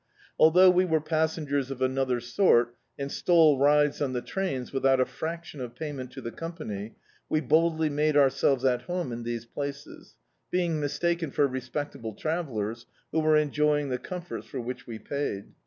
Althou^ we were passengers of another sort, and stole rides on the trains without a fraction of payment to the company, we boldly made ourselves at home in these places, being mistaken for respectable travel lers, who were enjoying the comforts for which we paid.